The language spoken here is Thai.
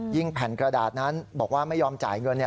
แผ่นกระดาษนั้นบอกว่าไม่ยอมจ่ายเงิน